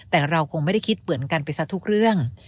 แต่เราคงไม่ได้คิดเหมือนกันไปซะทุกเรื่อง